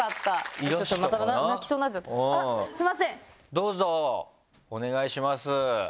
どうぞお願いします！